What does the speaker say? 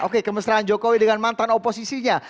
oke kemesraan jokowi dengan mantan oposisinya